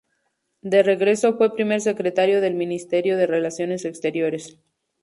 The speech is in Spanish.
De regreso fue primer secretario del Ministerio de Relaciones Exteriores.